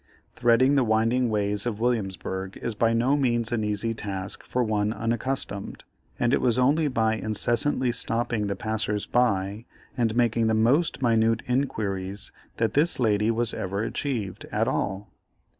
Threading the winding ways of Williamsburgh is by no means an easy task for one unaccustomed, and it was only by incessantly stopping the passers by and making the most minute inquiries that this lady was ever achieved at all.